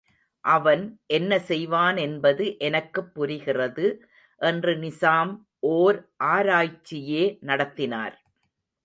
அவன் என்ன செய்வானென்பது எனக்குப் புரிகிறது என்று நிசாம் ஓர் ஆராய்ச்சியே நடத்தினார்.